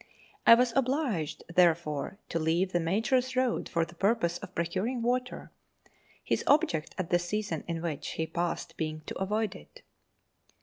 I was obliged, therefore, to leave the Major's road for the purpose of procuring water ; his object at the season in which he passed being to avoid it.